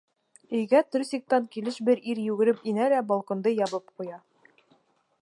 Өйгә трусиктан килеш бер ир йүгереп инә лә балконды ябып ҡуя.